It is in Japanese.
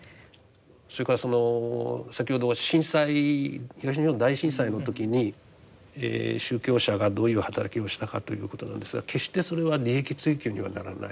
それから先ほどは震災東日本大震災の時に宗教者がどういう働きをしたかということなんですが決してそれは利益追求にはならない。